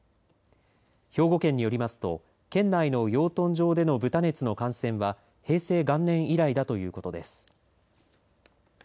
兵庫県によりますと県内の養豚場での豚熱の感染は平成元年以来だということです。